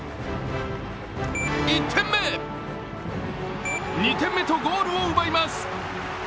１点目、２点目とゴールを奪います。